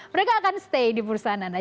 mereka akan stay di perusahaan anda